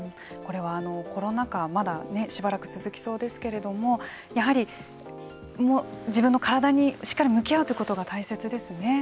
これはコロナ禍まだしばらく続きそうですけれどもやはり自分の体にしっかり向き合うということが大切ですね。